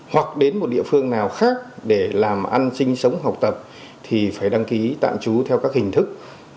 hoặc đến một địa phương nào khác để làm ăn sinh sống học tập thì phải đăng ký tạm trú theo các hình thức